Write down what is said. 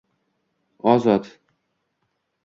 Ozod